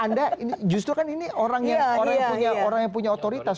anda justru kan ini orang yang punya otoritas